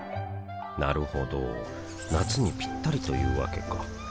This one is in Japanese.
なるほど夏にピッタリというわけか